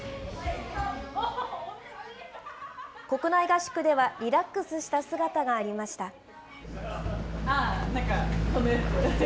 国内合宿では、リラックスした姿がありました。